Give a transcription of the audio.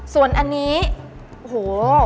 ส่วนอันนี้โห